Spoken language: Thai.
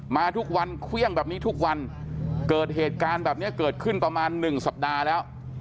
มาทุกวันเครื่องแบบนี้ทุกวันเกิดเหตุการณ์แบบนี้เกิดขึ้นประมาณ๑สัปดาห์แล้ว